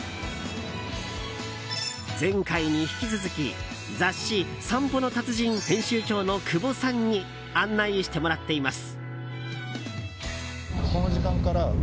前回に引き続き雑誌「散歩の達人」編集長の久保さんに案内してもらっています。